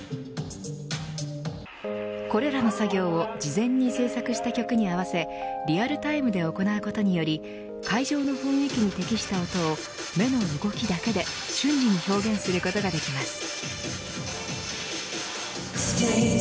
これらの作業を事前に制作した曲に合わせリアルタイムで行うことにより会場の雰囲気に適した音を目の動きだけで周囲に瞬時に表現することができます。